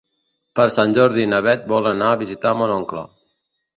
Per Sant Jordi na Beth vol anar a visitar mon oncle.